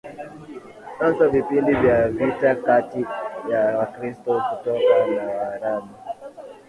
Hasa vipindi vya vita kati ya Wakristo kutoka Ulaya na Waarabu